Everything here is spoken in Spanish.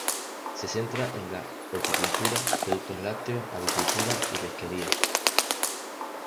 Se centra en la horticultura, productos lácteos, avicultura y pesquerías.